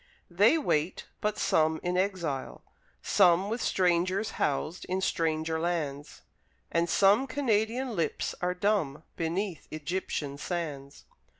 They wait; but some in exile, some With strangers housed, in stranger lands, And some Canadian lips are dumb Beneath Egyptian sands.